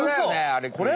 あれ！？